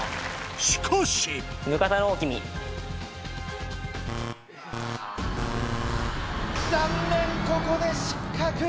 しかし残念ここで失格。